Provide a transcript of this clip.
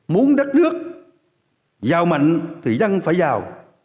muốn đất nước giàu mạnh thì dân phải giàu